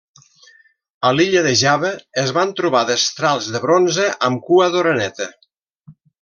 A l'illa de Java es van trobar destrals de bronze amb cua d'oreneta.